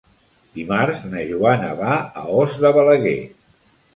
Dimarts na Joana va a Os de Balaguer.